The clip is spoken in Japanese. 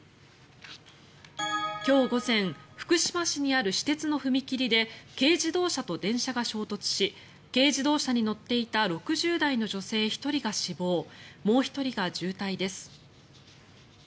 今日午前福島市にある私鉄の踏切で軽乗用車と電車が衝突し軽乗用車に乗っていた６０代の女性１人が死亡もう１人が重体です。